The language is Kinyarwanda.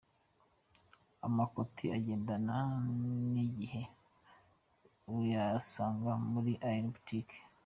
Amakoti agendanye n'igihe uyasanga muri Ian Boutique.